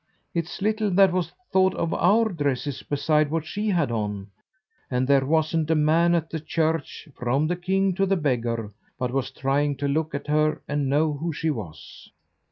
It's little that was thought of our dresses beside what she had on; and there wasn't a man at the church, from the king to the beggar, but was trying to look at her and know who she was."